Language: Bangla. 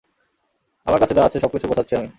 আমার কাছে যা আছে সবকিছু গোছাচ্ছি আমি।